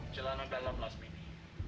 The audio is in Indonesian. jalanan dalam lasmini